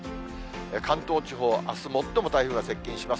関東地方、あす最も台風が接近します。